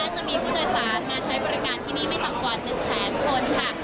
จะมีผู้โดยสารมาใช้บริการที่นี่ไม่ต่ำกว่า๑แสนคนค่ะ